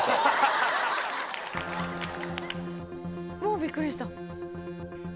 おぉびっくりした。